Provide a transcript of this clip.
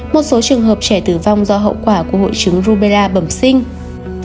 một số trường hợp trẻ tử vong do hậu quả của hội chứng rubella bẩm sinh